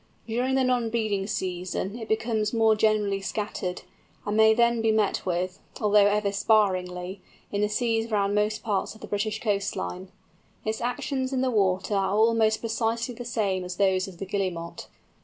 During the non breeding season it becomes more generally scattered, and may then be met with, although ever sparingly, in the seas round most parts of the British coastline. Its actions in the water are almost precisely the same as those of the Guillemot.